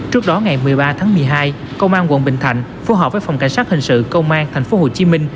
trước đó ngày một mươi ba tháng một mươi hai công an quận bình thạnh phù hợp với phòng cảnh sát hình sự công an tp hcm